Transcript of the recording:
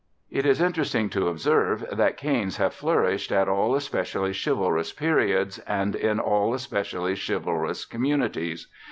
It is interesting to observe that canes have flourished at all especially chivalrous periods and in all especially chivalrous communities.